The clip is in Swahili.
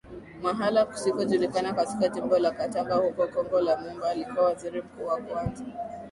mahala kusikojulikana katika Jimbo la Katanga huko Kongo Lumumba alikuwa Waziri Mkuu wa Kwanza